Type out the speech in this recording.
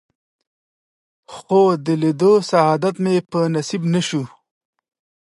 خو د لیدو سعادت مې په نصیب نه شو.